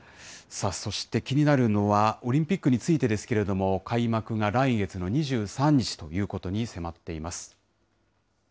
そして気になるのは、オリンピックについてですけれども、開幕が来月の２３日ということに迫っています。